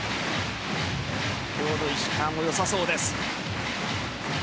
今日の石川もよさそうです。